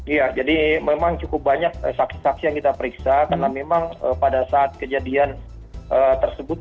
iya jadi memang cukup banyak saksi saksi yang kita periksa karena memang pada saat kejadian tersebut